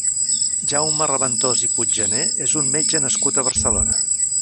Jaume Reventós i Puigjaner és un metge nascut a Barcelona.